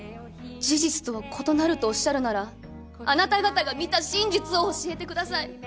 事実とは異なるとおっしゃるならあなた方が見た真実を教えてください。